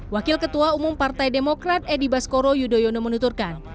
wakil ketua umum partai demokrat edi baskoro yudhoyono menuturkan